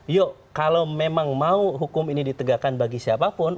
yuk kalau memang mau hukum ini ditegakkan bagi siapapun